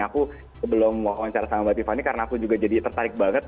aku sebelum wawancara sama mbak tiffany karena aku juga jadi tertarik banget